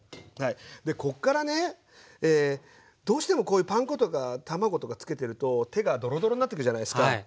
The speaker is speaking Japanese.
でこっからねどうしてもこういうパン粉とか卵とかつけてると手がドロドロになってくじゃないっすか。